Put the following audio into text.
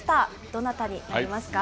どなたになりますか。